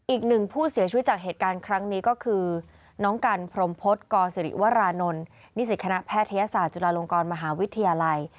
อีกหนึ่งผู้เสียชีวิตจากเหตุการณ์ครั้งนี้ก็คือน้องกันพรมพฤษกศิริวรานนท์นิสิตคณะแพทยศาสตร์จุฬาลงกรมหาวิทยาลัย